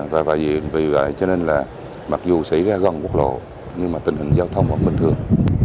và vì vậy cho nên là mặc dù xảy ra gần quốc lộ nhưng mà tình hình giao thông vẫn bình thường